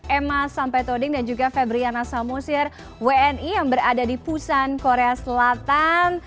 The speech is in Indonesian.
emma sampetoding dan juga febriana samosir wni yang berada di pusan korea selatan